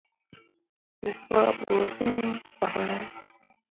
We faa bu fĩĩ kpak ne?